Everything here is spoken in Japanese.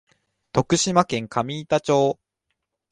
徳島県上板町